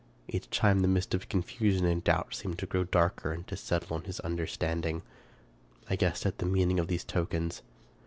Each time the mist of confusion and doubt seemed to grow darker and to settle on his understanding. I guessed at the meaning of these tokens.